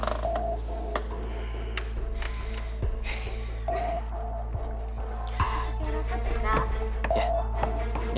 ini lebih enak banget kak